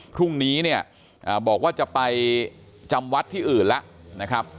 พรุ่งนี้เนี่ยบอกว่าจะไปจำวัดที่อื่นแล้วนะครับ